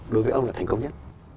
đối với ông là thành công nhất